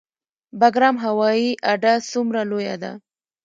بګرام هوایي اډه څومره لویه ده؟